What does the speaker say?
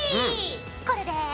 これで。